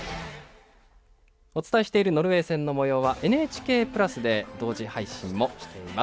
お伝えしているノルウェー戦のもようはＮＨＫプラスで同時配信もしています。